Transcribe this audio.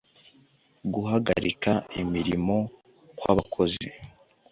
guhagarika imirimo kw abakozi